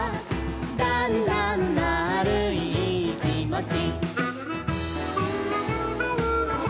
「だんだんまぁるいいいきもち」